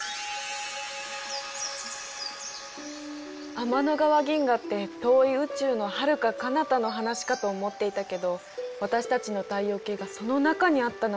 天の川銀河って遠い宇宙のはるかかなたの話かと思っていたけど私たちの太陽系がその中にあったなんて驚いた。